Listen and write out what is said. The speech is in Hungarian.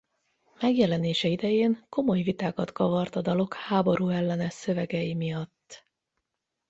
Megjelenése idején komoly vitákat kavart a dalok háborúellenes szövegei miatt.